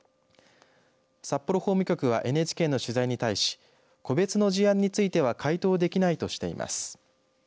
札幌法務局はＮＨＫの取材に対し個別の事案については回答できないとしています。